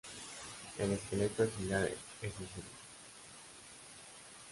El esqueleto axial es ligero.